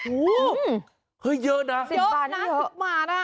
โอ้โฮเยอะนะ๑๐บาท